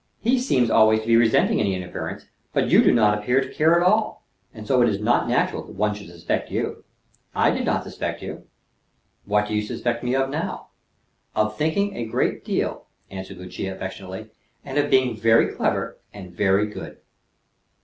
He seems always to be resenting any interference; but you do not appear to care at all, and so it is not natural that one should suspect you. I did not suspect you." "What do you suspect me of now?" "Of thinking a great deal," answered Lucia affectionately. "And of being very clever and very good."